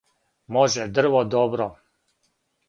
може дрво добро